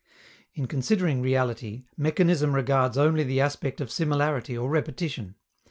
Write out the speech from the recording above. In considering reality, mechanism regards only the aspect of similarity or repetition.